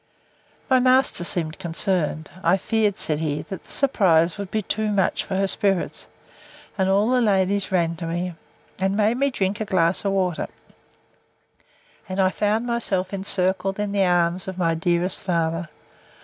My master seemed concerned—I feared, said he, that the surprise would be too much for her spirits; and all the ladies ran to me, and made me drink a glass of water; and I found myself encircled in the arms of my dearest father.